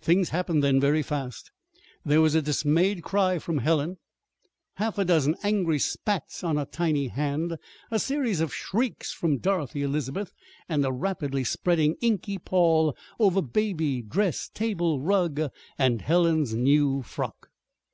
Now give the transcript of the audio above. Things happened then very fast. There were a dismayed cry from Helen, half a dozen angry spats on a tiny hand, a series of shrieks from Dorothy Elizabeth, and a rapidly spreading inky pall over baby, dress, table, rug, and Helen's new frock.